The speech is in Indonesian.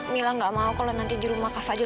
mila gak mau kalau nanti di rumah kak fadil